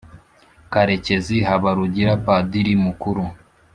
karekezi habarugira padiri mukuru